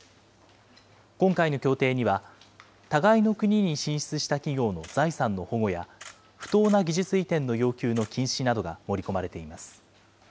今回の協定には、互いの国に進出した企業の財産の保護や、不当な技術移転の要求の禁止などが盛り込まれています。